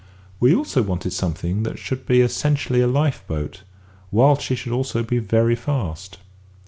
We also wanted something that should be essentially a life boat, whilst she should also be very fast.